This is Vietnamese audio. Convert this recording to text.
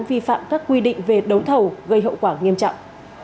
vi phạm các quy định về đấu thầu gây hậu quả nghiêm trọng